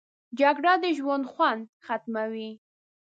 جګړه د ژوند خوند ختموي